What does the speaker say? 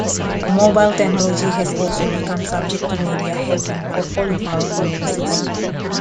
Mobile technology has also become subject to media hacking for political purposes.